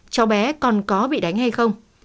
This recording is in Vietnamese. chó bé còn có bị đánh hay không